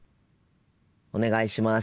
お願いします。